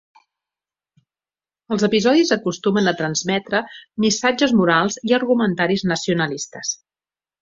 Els episodis acostumen a transmetre missatges morals i argumentaris nacionalistes.